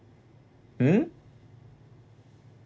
うん？